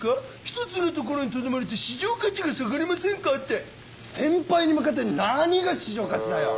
一つの所にとどまると市場価値が下がりませんか？」って先輩に向かって何が市場価値だよ！